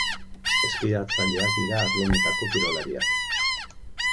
Eskiatzaileak dira arlo honetako kirolariak.